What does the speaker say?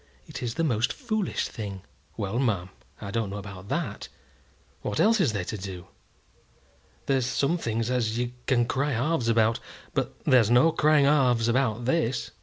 It is the most foolish thing." "Well, ma'am, I don't know about that. What else is they to do? There's some things as you can cry halves about, but there's no crying halves about this."